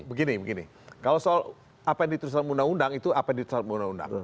begini kalau soal apa yang ditulis dalam undang undang itu apa yang ditulis dalam undang undang